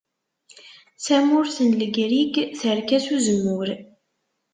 Tamurt n Legrig terka s uzemmur.